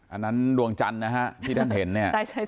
อันนั้นดวงจันทร์นะฮะที่ท่านเห็นเนี่ย